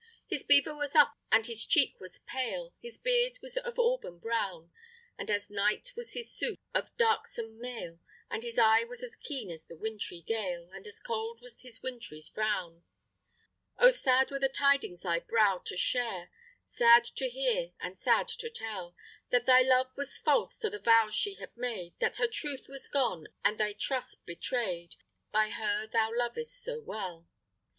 His beaver was up, and his cheek was pale His beard was of auburn brown; And as night was his suit of darksome mail, And his eye was as keen as the wintry gale, And as cold was his wintry frown. Oh! sad were the tidings thy brow to shade, Sad to hear and sad to tell; That thy love was false to the vows she had made, That her truth was gone, and thy trust betray'd By her thou lovest so well.